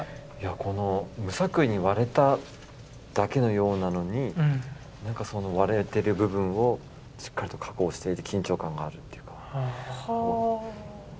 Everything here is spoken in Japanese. この無作為に割れただけのようなのに割れてる部分をしっかりと加工していて緊張感があるっていうか。